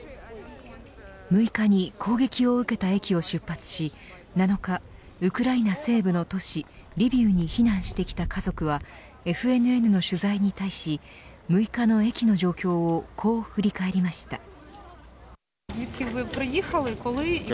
６日に攻撃を受けた駅を出発し７日、ウクライナ西部の都市リビウに避難してきた家族はＦＮＮの取材に対し６日の駅の状況をこう振り返りました。